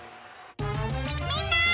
みんな！